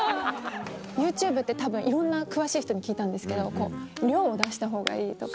ＹｏｕＴｕｂｅってたぶんいろんな詳しい人に聞いたんですけど量を出したほうがいいとか。